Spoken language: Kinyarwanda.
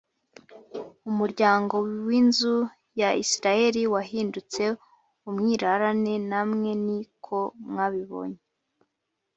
Umuryango w’inzu ya Isirayeli wahindutse umwirarare namwe ni ko mwabibonye